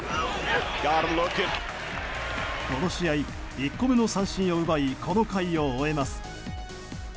この試合、１個目の三振を奪いこの回を終えます。